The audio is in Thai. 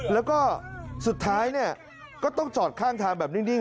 แล้วก็สุดท้ายเนี่ยก็ต้องจอดข้างทางแบบนิ่ง